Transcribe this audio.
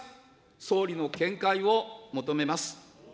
総理の見解を求めます。